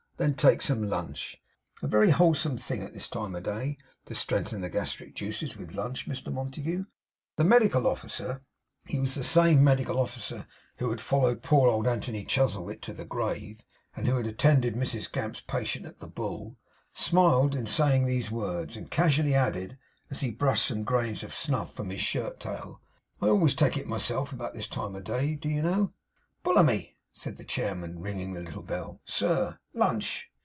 Then take some lunch. A very wholesome thing at this time of day to strengthen the gastric juices with lunch, Mr Montague.' The Medical Officer (he was the same medical officer who had followed poor old Anthony Chuzzlewit to the grave, and who had attended Mrs Gamp's patient at the Bull) smiled in saying these words; and casually added, as he brushed some grains of snuff from his shirt frill, 'I always take it myself about this time of day, do you know!' 'Bullamy!' said the Chairman, ringing the little bell. 'Sir!' 'Lunch.